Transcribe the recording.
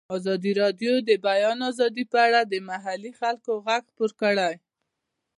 ازادي راډیو د د بیان آزادي په اړه د محلي خلکو غږ خپور کړی.